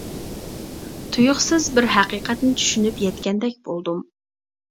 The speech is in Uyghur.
تۇيۇقسىز بىر ھەقىقەتنى چۈشىنىپ يەتكەندەك بولدۇم.